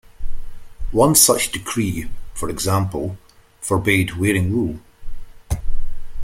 One such decree, for example, forbade wearing wool.